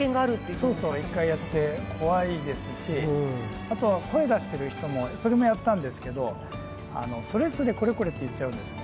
そうそう１回やって怖いですしあとは声出してる人もそれもやったんですけどそれそれこれこれって言っちゃうんですね。